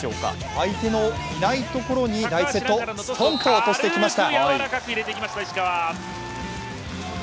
相手のいないところに第１セット、ストンと落としてきました。